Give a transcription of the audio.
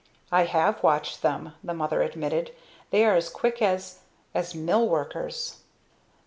"I have watched them," the mother admitted. "They are as quick as as mill workers!"